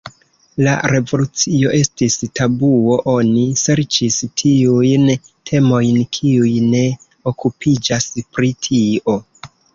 La revolucio estis tabuo, oni serĉis tiujn temojn, kiuj ne okupiĝas pri tio.